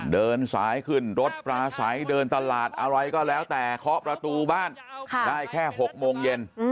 เดินสายขึ้นรถปลาใสเดินตลาดอะไรก็แล้วแต่เคาะประตูบ้านได้แค่๖โมงเย็น